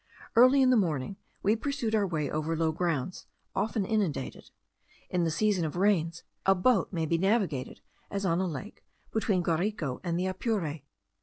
Early in the morning we pursued our way over low grounds, often inundated. In the season of rains, a boat may be navigated, as on a lake, between the Guarico and the Apure.